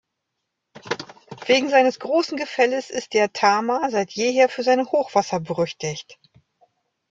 Wegen seines großen Gefälles ist der Tama seit jeher für seine Hochwasser berüchtigt.